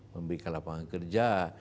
memberikan lapangan kerja